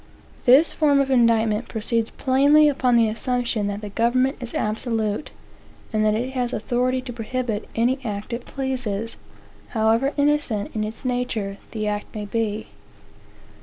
This form of indictment proceeds plainly upon the assumption that the government is absolute, and that it has authority to prohibit any act it pleases, however innocent in its nature the act may be.